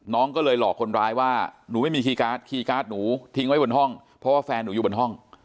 น้องก็เลยหลอกคนร้ายว่าหนูไม่มีคีย์การ์ดคีย์การ์ดหนูทิ้งไว้บนห้องเพราะว่าแฟนหนูอยู่บนห้อง